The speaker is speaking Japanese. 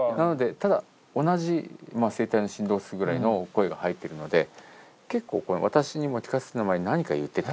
ただ同じ声帯の振動数ぐらいの声が入ってるので「私にも聞かせて」の前に何か言ってた。